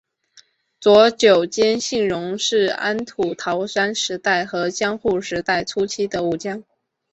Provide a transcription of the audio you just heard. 佐久间信荣是安土桃山时代和江户时代初期的武将。